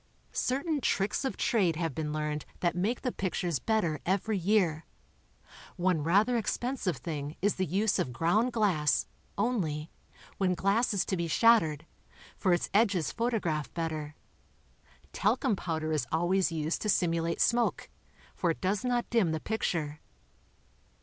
Certain tricks of trade have been learned that make the pictures better every year. One rather expensive thing is the use of ground glass, only, when glass is to be shattered, for its edges photograph better. Tal cum powder is always used to simulate smoke, for it does not dim the picture.